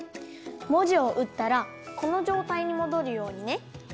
もじをうったらこのじょうたいにもどるようにね。